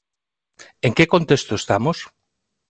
¿En que contexto estamos?